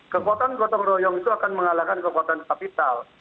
kekuatan gotong royong itu akan mengalahkan kekuatan kapital